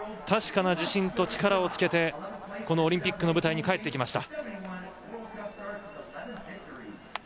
確かな自信と力をつけてこのオリンピックの舞台に帰ってきました。